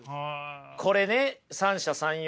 これね三者三様。